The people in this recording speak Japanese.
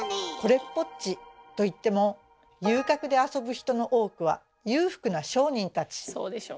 「これっぽっち」と言っても遊郭で遊ぶ人の多くは裕福な商人たち。